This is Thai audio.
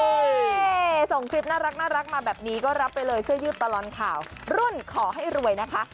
นี่ส่งคลิปน่ารักมาแบบนี้ก็รับไปเลยเสื้อยืดตลอดข่าวรุ่นขอให้รวยนะคะ